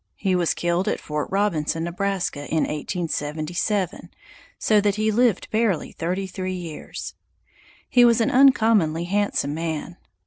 He was killed at Fort Robinson, Nebraska, in 1877, so that he lived barely thirty three years. He was an uncommonly handsome man.